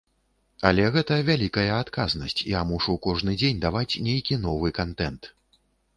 Але гэта вялікая адказнасць, я мушу кожны дзень даваць нейкі новы кантэнт.